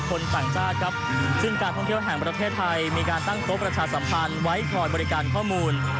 ต่างชาติครับซึ่งการท่องเที่ยวแห่งประเทศไทยมีการตั้งโต๊ะประชาสัมพันธ์ไว้คอยบริการข้อมูล